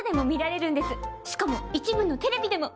しかも一部のテレビでも。